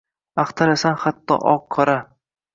axtarasan hatto oq-qora